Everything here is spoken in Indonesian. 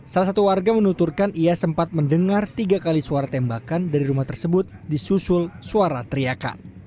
salah satu warga menuturkan ia sempat mendengar tiga kali suara tembakan dari rumah tersebut disusul suara teriakan